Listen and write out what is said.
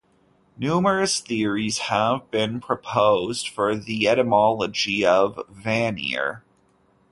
Numerous theories have been proposed for the etymology of "Vanir".